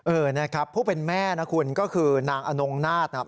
เออนะครับผู้เป็นแม่นะคุณก็คือนางอนงนาฏนะครับ